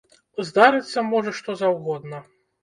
Здарыцца можа што заўгодна!